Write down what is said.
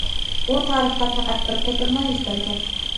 بۇ تارىختا پەقەت بىر قېتىملا يۈز بەرگەن.